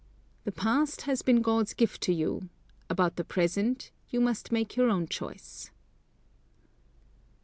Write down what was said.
The past has been God's gift to you; about the present, you must make your own choice.